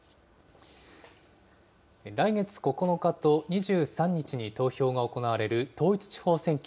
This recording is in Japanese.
来月９日と２３日に投票が行われる統一地方選挙。